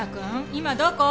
今どこ？